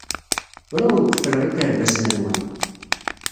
Ur awen-qeffleɣ ikerbasen-nwen.